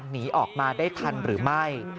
หนีออกมาได้ทันหรือไม่